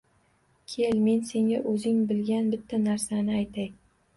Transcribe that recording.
Kel, men senga o’zing bilgan bitta narsani aytay